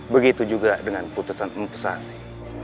begitu juga dengan putusan empusasi